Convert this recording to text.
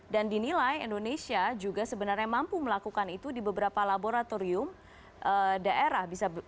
dan dinilai indonesia juga sebenarnya mampu melakukan itu di beberapa laboratorium daerah